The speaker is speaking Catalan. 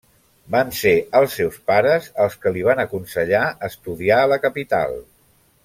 Van ser els seus pares els qui li van aconsellar estudiar a la capital.